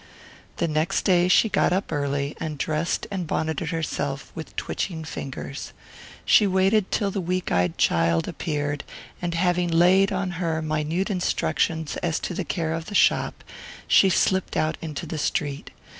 The next day she got up early, and dressed and bonneted herself with twitching fingers. She waited till the weak eyed child appeared, and having laid on her minute instructions as to the care of the shop, she slipped out into the street.